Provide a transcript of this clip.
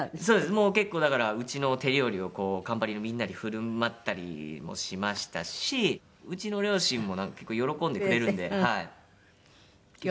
もう結構だからうちの手料理をこうカンパニーのみんなに振る舞ったりもしましたしうちの両親も結構喜んでくれるんではい。